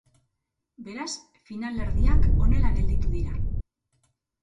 Beraz finalerdiak honela gelditu dira.